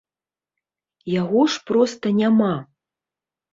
Яго ж проста няма.